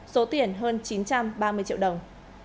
số tiền hơn chín trăm ba mươi triệu đồng